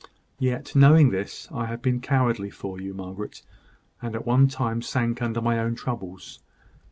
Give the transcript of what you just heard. Yet, knowing this, I have been cowardly for you, Margaret, and at one time sank under my own troubles.